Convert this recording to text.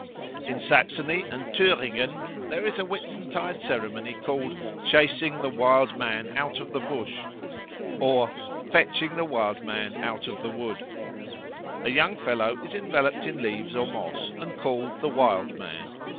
In Saxony and Thüringen there is a Whitsuntide ceremony called "chasing the Wild Man out of the bush," or "fetching the Wild Man out of the wood." A young fellow is enveloped in leaves or moss and called the Wild Man.